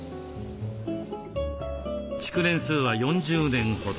築年数は４０年ほど。